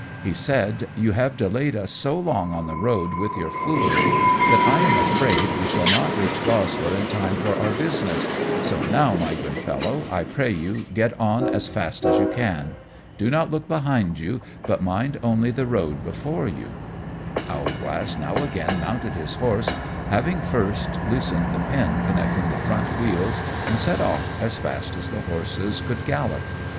He said, "You have delayed us so long on the road with your foolery that I am afraid we shall not reach Goslar in time for our business, so now, my good Fellow, I pray you get on as fast as you can. Do not look behind you, but mind only the road before you." Owlglass now again mounted his horse, having first loosened the pin connecting the front wheels, and set off as fast as the horses could gallop.